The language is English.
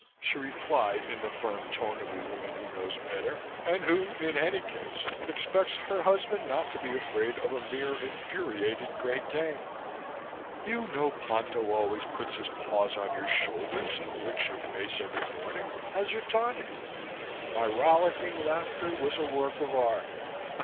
she replied in the firm tone of a woman who knows better and who, in any case, expects her husband not to be afraid of a mere infuriated Great Dane. "You know Ponto always puts his paws on your shoulders and licks your face every morning, as you taught him." My rollicking laughter was a work of art.